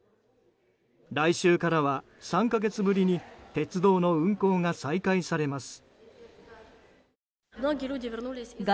来週からは３か月ぶりに鉄道の運行が再開されます。